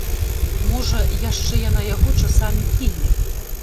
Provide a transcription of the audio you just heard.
Можа, яшчэ яна яго часамі кіне.